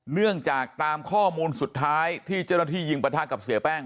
เนื่องจากตามข้อมูลสุดท้ายที่เจ้าหน้าที่ยิงประทะกับเสียแป้ง